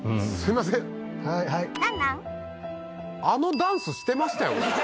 あのダンスしてましたよね？